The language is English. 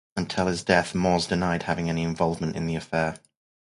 Until his death Moores denied having any involvement in the affair.